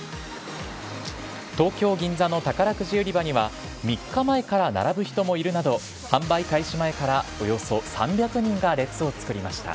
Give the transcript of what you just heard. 東京・銀座の宝くじ売り場には、３日前から並ぶ人もいるなど、販売開始前からおよそ３００人が列を作りました。